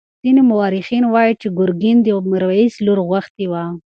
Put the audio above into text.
ځینې مورخین وایي چې ګرګین د میرویس لور غوښتې وه.